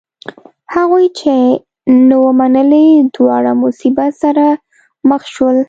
هغوی چې نه و منلی دواړه مصیبت سره مخ شول.